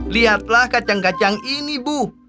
lihatlah kacang kacang ini bu